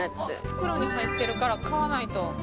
袋に入ってるから買わないと。